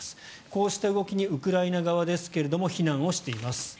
こうした動きにウクライナ側ですが非難をしています。